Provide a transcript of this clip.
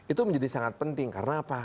itu menjadi sangat penting karena apa